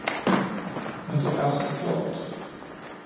men det er så flovt!